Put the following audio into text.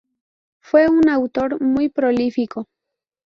Fue un autor muy prolífico.